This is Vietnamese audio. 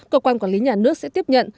cơ quan quản lý nhà nước sẽ tiếp nhận